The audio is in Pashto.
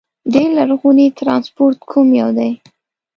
ډېر لرغونی ترانسپورت کوم یو دي؟